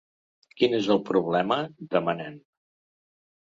Quin és el problema?, demanen.